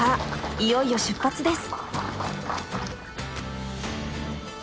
いよいよ出発です。